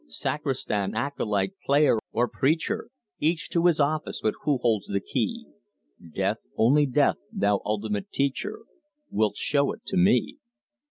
Sacristan, acolyte, player, or preacher, Each to his office, but who holds the key? Death, only Death thou, the ultimate teacher Wilt show it to me.